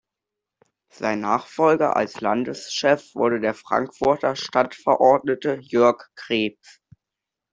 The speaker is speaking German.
Sein Nachfolger als Landeschef wurde der Frankfurter Stadtverordnete Jörg Krebs.